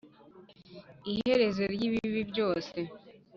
iherezo ryi bibi byose